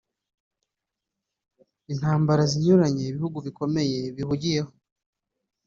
intambara zinyuranye ibihugu bikomeye bihugiyemo